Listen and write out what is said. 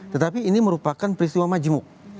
tetapi ini merupakan peristiwa majemuk